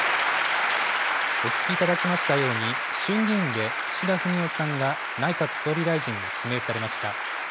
お聞きいただきましたように、衆議院で岸田文雄さんが内閣総理大臣に指名されました。